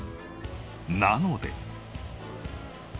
なので。